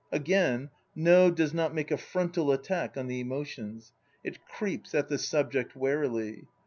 Again, No does not make a frontal attack on the emotions. It creeps at the subject warily.